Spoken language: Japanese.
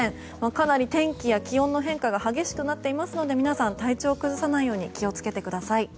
かなり天気や気温の変化が激しくなっていますので皆さん、体調を崩さないように気を付けてください。